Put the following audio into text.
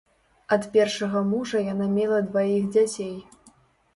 Ад першага мужа яна мела дваіх дзяцей.